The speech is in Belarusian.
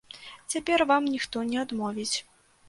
Цяпер вам ніхто не адмовіць.